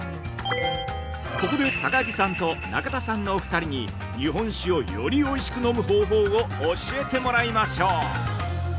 ここで高木さんと中田さんのお二人に日本酒をよりおいしく飲む方法を教えてもらいましょう。